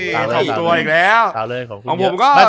กลับถึงอีกตัวอีกแล้ว